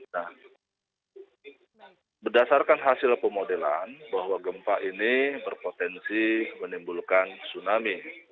nah berdasarkan hasil pemodelan bahwa gempa ini berpotensi menimbulkan tsunami